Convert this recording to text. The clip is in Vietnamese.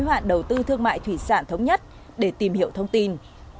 hoạn đầu tư thương mại thủy sản thống nhất để tìm hiểu thông tin